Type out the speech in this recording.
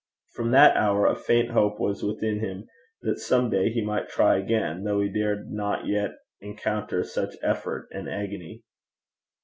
From that hour a faint hope was within him that some day he might try again, though he dared not yet encounter such effort and agony.